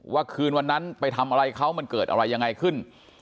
คืนวันนั้นไปทำอะไรเขามันเกิดอะไรยังไงขึ้น